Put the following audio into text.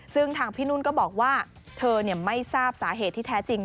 ซึ่งทางพี่นุ่นก็บอกว่าเธอไม่ทราบสาเหตุที่แท้จริง